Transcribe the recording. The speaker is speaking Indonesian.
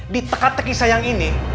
di teka teki sayang ini